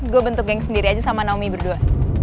gue bentuk geng sendiri aja sama naomi berdua